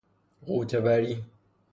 غوطه وری